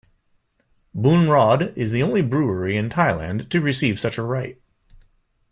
Boon Rawd is the only brewery in Thailand to receive such a right.